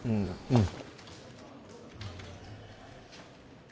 うん？